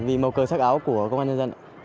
vì màu cờ sắc áo của công an nhân dân ạ